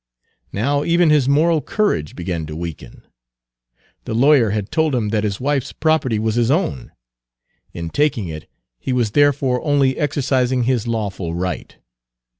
Now even his moral courage began to weaken. The lawyer had told him that his wife's property was his own; in taking it he was therefore only exercising his lawful right.